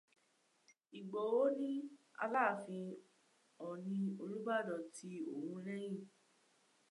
Ìgbòho ní Aláàfin, Ọ̀ọ̀nì, Olúbàdàn tì òun lẹ́yìn.